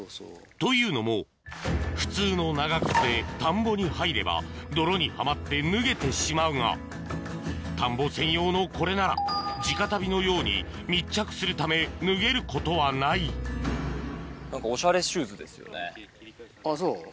というのも普通の長靴で田んぼに入れば泥にはまって脱げてしまうが田んぼ専用のこれなら地下足袋のように密着するため脱げることはないあっそう？